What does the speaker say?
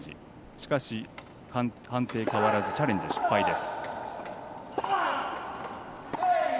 しかし判定変わらずチャレンジ失敗です。